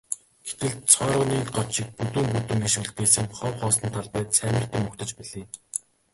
Гэтэл цооргонын год шиг бүдүүн бүдүүн иш үлдээсэн хов хоосон талбай цайвартан угтаж билээ.